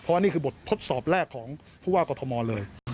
เพราะว่านี่คือบททดสอบแรกของผู้ว่ากรทมเลย